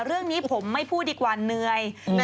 เรื่องนี้ผมไม่พูดดีกว่าเหนื่อย